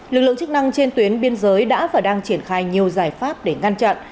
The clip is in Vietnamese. lực lượng chức năng trên tuyến biên giới đã và đang triển khai nhiều giải pháp để ngăn chặn